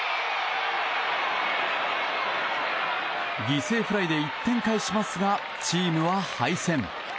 犠牲フライで１点返しますがチームは敗戦。